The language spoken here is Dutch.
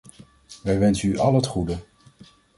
Wij wensen u al het goede.